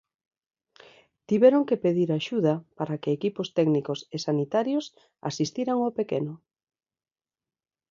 Tiveron que pedir axuda para que equipos técnicos e sanitarios asistiran ao pequeno.